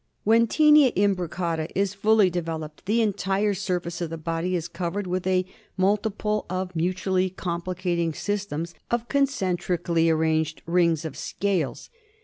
When Tinea imbricata Tiaca imbriiaia. lAftit Koc*,i is fully developed the en tire surface of the body is covered with a multitude of mutually complicating systems of concentri cally arranged rings of scales.